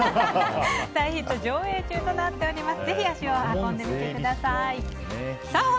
大ヒット上映中となっております。